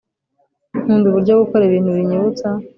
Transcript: nkunda uburyo gukora ibintu binyibutsa